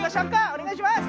おねがいします！